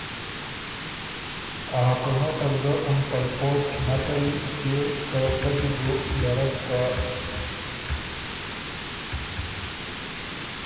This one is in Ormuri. ا حکومته سُو ګۀ اُن پلپوټ نک کوی کيې که پۀ دی بو ډرک که